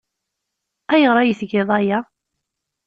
Ayɣer ay tgiḍ aya?